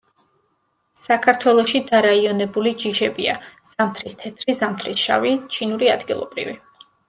საქართველოში დარაიონებული ჯიშებია: „ზამთრის თეთრი“, „ზამთრის შავი“, „ჩინური ადგილობრივი“.